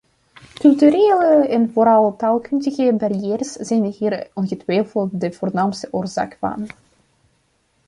Culturele en vooral taalkundige barrières zijn hier ongetwijfeld de voornaamste oorzaak van.